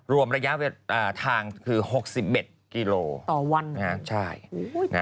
รวมระยะทางคือ๖๑กิโลเมตรใช่ต่อวัน